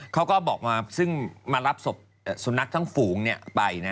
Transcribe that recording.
เขาก็บอกมาซึ่งมารับศพสุนัขทั้งฝูงไป